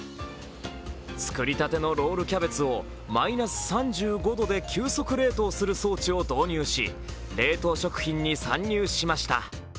作りたてのロールキャベツをマイナス３５度で急速冷凍する装置を導入し冷凍食品に参入しました。